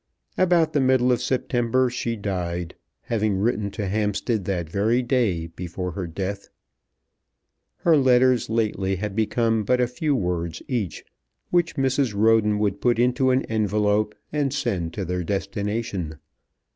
About the middle of September she died, having written to Hampstead the very day before her death. Her letters lately had become but a few words each, which Mrs. Roden would put into an envelope and send to their destination.